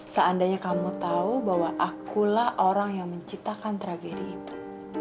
seandainya kamu tahu bahwa akulah orang yang menciptakan tragedi itu